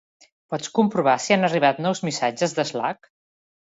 Pots comprovar si han arribat nous missatges d'Slack?